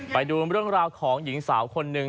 ไปดูเรื่องราวของหญิงสาวคนหนึ่ง